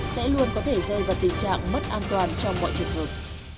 sẽ luôn có thể rơi vào tình trạng mất an toàn trong mọi trường hợp